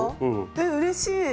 えっうれしい！